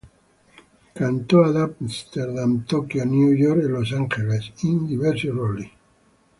Cantò ad Amsterdam, Tokio, New York e Los Angeles in diversi ruoli.